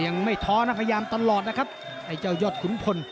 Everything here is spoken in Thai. ก็ยังไม่ท้องพยัมตลอดนะครับไอ้เจ้ายอดขุนผล